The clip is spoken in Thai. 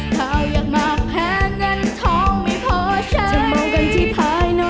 ถ้าอยากมาแพ้เงินทองไม่เพาะใช้